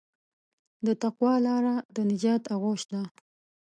د تقوی لاره د نجات آغوش ده.